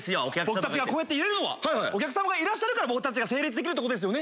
僕たちがこうやっていれるのはお客様がいらっしゃるから僕たちが成立できるってことですよね？